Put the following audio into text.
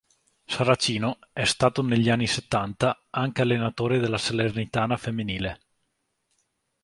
Saracino è stato, negli anni settanta, anche allenatore della Salernitana Femminile.